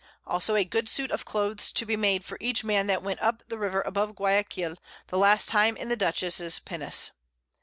Also a good Suit of Clothes to be made for each Man that went up the River above_ Guiaquil, the last time in the Dutchess'_s Pinnace.